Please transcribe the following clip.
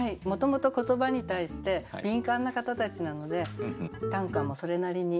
もともと言葉に対して敏感な方たちなので「それなり」？